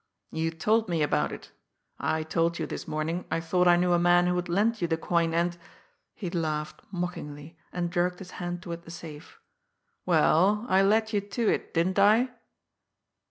You told me about it. I told you this morning I thought I knew a man who would lend you the coin, and" he laughed mockingly, and jerked his hand toward the safe "well, I led you to it, didn't I?"